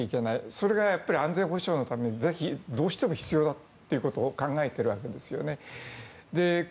それが安全保障のためにどうしても必要だということを考えているわけです。